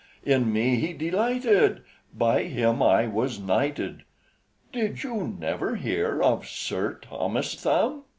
In me he delighted, By him I was knighted; Did you never hear of Sir Thomas Thumb?"